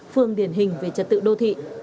phường điển hình về trật tự đô thị